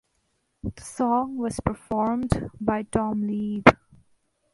The song was performed by Tom Leeb.